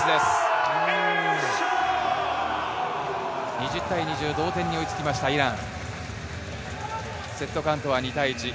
２０対２０、同点に追いつきましたイラン。